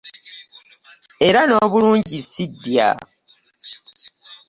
Era n'obulungi ssi ddya.